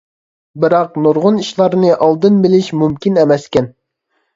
بىراق نۇرغۇن ئىشلارنى ئالدىن بىلىش مۇمكىن ئەمەسكەن.